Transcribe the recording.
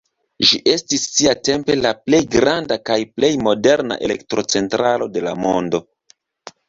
Ĝi estis siatempe la plej granda kaj plej moderna elektrocentralo de la mondo.